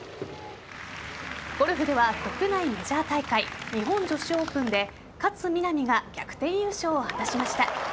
ゴルフでは国内メジャー大会日本女子オープンで勝みなみが逆転優勝を果たしました。